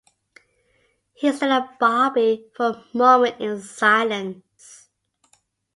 He stared at Bobby for a moment in silence.